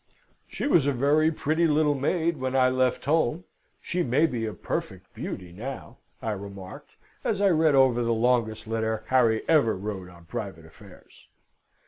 "She was a very pretty little maid when I left home, she may be a perfect beauty now," I remarked, as I read over the longest letter Harry ever wrote on private affairs.